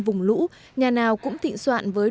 vùng lũ nhà nào cũng thịnh soạn với